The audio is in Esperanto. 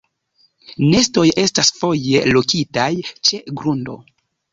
Nestoj estas foje lokitaj ĉe grundo.